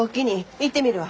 行ってみるわ。